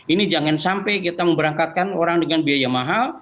ini jangan sampai kita memberangkatkan orang dengan biaya mahal